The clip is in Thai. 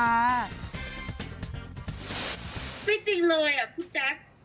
ไม่จริงเลยคุณแจ๊ค